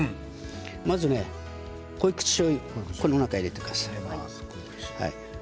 まず濃い口しょうゆを入れてください。